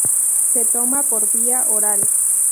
Se toma por vía oral.